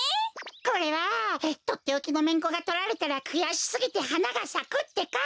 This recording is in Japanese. これはとっておきのめんこがとられたらくやしすぎてはながさくってか！